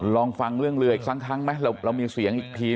ลองฟังเรื่องเรืออีกสักครั้งไหมเรามีเสียงอีกที